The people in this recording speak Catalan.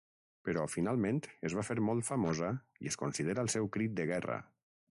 Però finalment es va fer molt famosa i es considera el seu crit de guerra.